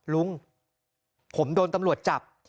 ลุงผมโดนตำรวจจับ